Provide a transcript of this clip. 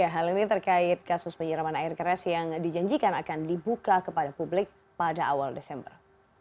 hal ini terkait kasus penyiraman air keras yang dijanjikan akan dibuka kepada publik pada awal desember